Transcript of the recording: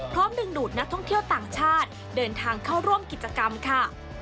ดึงดูดนักท่องเที่ยวต่างชาติเดินทางเข้าร่วมกิจกรรมค่ะ